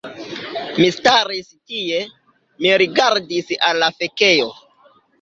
Mi staris tie, mi rigardis al la fekejo